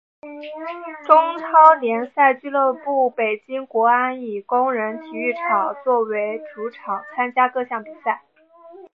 中超联赛俱乐部北京国安以工人体育场作为主场参加各项比赛。